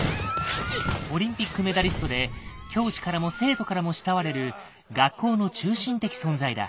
オリンピックメダリストで教師からも生徒からも慕われる学校の中心的存在だ。